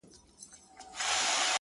زه-